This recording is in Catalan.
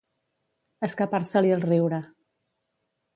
Escapar-se-li el riure.